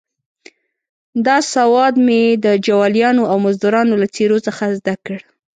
دا سواد مې د جوالیانو او مزدروانو له څېرو څخه زده کړ.